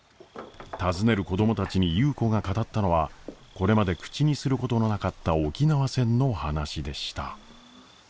尋ねる子供たちに優子が語ったのはこれまで口にすることのなかった沖縄戦の話でした。